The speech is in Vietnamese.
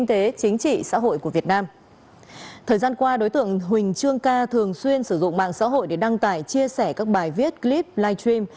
thời gian qua đối tượng huỳnh trương ca thường xuyên sử dụng mạng xã hội để đăng tải chia sẻ các bài viết clip live stream